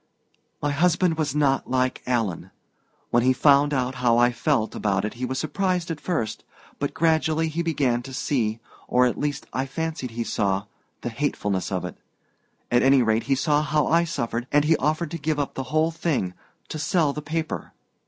"My husband was not like Alan. When he found out how I felt about it he was surprised at first but gradually he began to see or at least I fancied he saw the hatefulness of it. At any rate he saw how I suffered, and he offered to give up the whole thing to sell the paper.